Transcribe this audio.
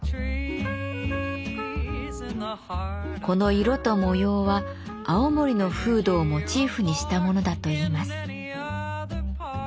この色と模様は青森の風土をモチーフにしたものだといいます。